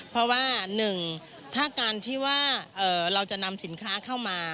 เพราะว่าหนึ่งถ้าการที่ว่าเราจะนำสินค้าเข้ามา